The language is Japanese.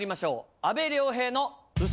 阿部亮平の嘘。